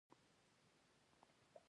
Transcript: دا د دې طبقو باخبرۍ انعکاس دی.